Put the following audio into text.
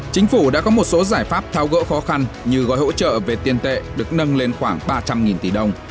chính phủ đã có một số giải pháp thao gỡ khó khăn như gói hỗ trợ về tiền tệ được nâng lên khoảng ba trăm linh tỷ đồng